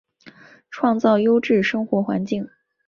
创造优质生活环境